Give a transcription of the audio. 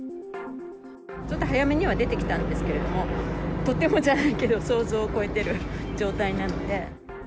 ちょっと早めには出てきたんですけれども、とてもじゃないけど、想像を超えている状態なんで。